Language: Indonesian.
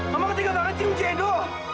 mama ketinggalan banget cium si edo